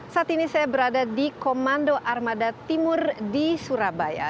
saat ini saya berada di komando armada timur di surabaya